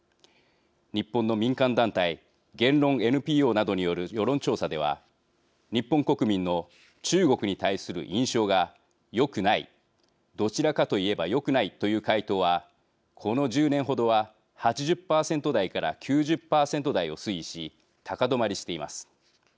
日本の民間団体言論ＮＰＯなどによる世論調査では日本国民の中国に対する印象が「よくない」「どちらかといえばよくない」という回答はこの１０年程は８０％台から９０％台を推移し高止まりしています。